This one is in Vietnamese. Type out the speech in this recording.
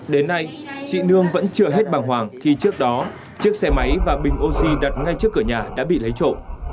đến nay chị nương vẫn chưa hết bằng hoàng khi trước đó chiếc xe máy và bình oxy đặt ngay trước cửa nhà đã bị lấy trộm